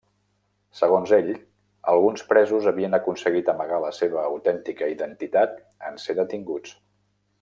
Segons ell, alguns presos havien aconseguit amagar la seva autèntica identitat en ser detinguts.